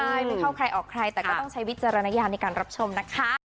ใช่ไม่เข้าใครออกใครแต่ก็ต้องใช้วิจารณญาณในการรับชมนะคะ